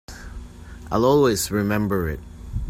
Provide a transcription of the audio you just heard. I'll always remember it.